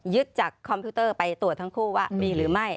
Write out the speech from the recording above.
จากคอมพิวเตอร์ไปตรวจทั้งคู่ว่ามีหรือไม่